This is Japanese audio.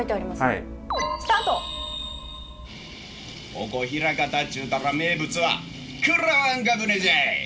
「ここ枚方っちゅうたら名物はくらわんか舟じゃい。